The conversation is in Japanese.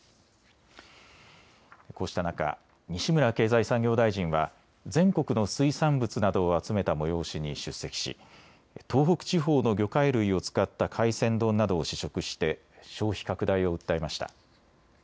こうした中、西村経済産業大臣は全国の水産物などを集めた催しに出席し東北地方の魚介類を使った海鮮丼などを試食して消費拡大を訴えました。